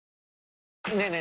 ねえねえ